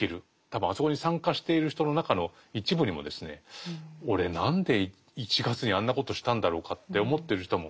多分あそこに参加している人の中の一部にもですね俺何で１月にあんなことしたんだろうかって思ってる人も多分いると思う。